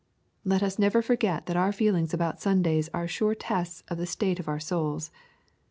I>et us never forget that our feelings about Sundays are sure tests of the state of our souls.